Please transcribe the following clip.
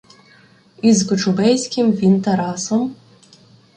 Із Кочубейським він Тарасом